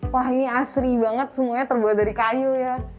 wah ini asri banget semuanya terbuat dari kayu ya